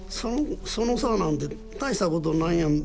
その差なんて大したことないやん。